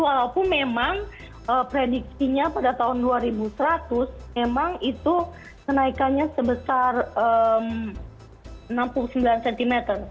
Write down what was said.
walaupun memang prediksinya pada tahun dua ribu seratus memang itu kenaikannya sebesar enam puluh sembilan cm